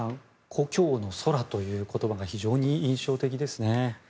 故郷の空という言葉が非常に印象的ですね。